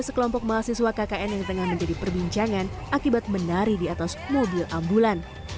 namun petugas tak bisa membawa kasus ini ke ranah hukum lantaran tak adanya laporan